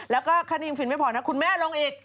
แล้วก็ค่านิ่งฟินไม่พอนะคุณแม่ลงอีก